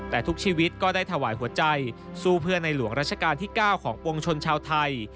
แต่ทุกชีวิตก็ได้ถวายหัวใจสู้เพื่อในหลวงราชการที่๙ของปวงชนชาวไทย